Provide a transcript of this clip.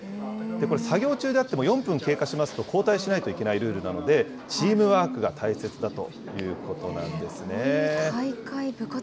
これ、作業中であっても４分経過しますと、交代しないといけないルールなので、チームワークが大切だということなんですね。